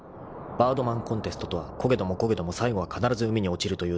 ［「バードマンコンテスト」とはこげどもこげども最後は必ず海に落ちるという難儀な競技だ］